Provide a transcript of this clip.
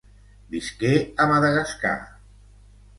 Visqué a Madagascar.